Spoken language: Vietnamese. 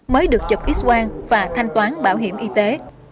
mới được chụp x quang và thanh toán bảo hiểm y tế